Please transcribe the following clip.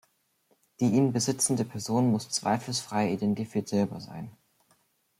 Die ihn besitzende Person muss zweifelsfrei identifizierbar sein.